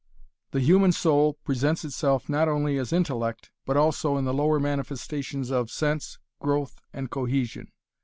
The human soul presents itself not only as intellect, but also in the lower manifestations of sense, growth, and cohesion.